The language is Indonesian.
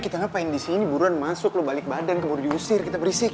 ud kita ngapain disini buruan masuk lo balik badan keburu diusir kita berisik